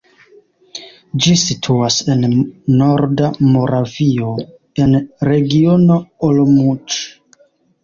Ĝi situas en norda Moravio, en Regiono Olomouc.